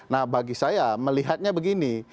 nah bagi saya melihatnya begini